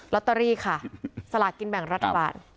ตเตอรี่ค่ะสลากินแบ่งรัฐบาล